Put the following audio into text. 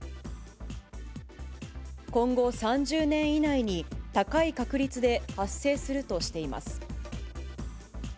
今後３０年以内に、高い確率で発生するとしています。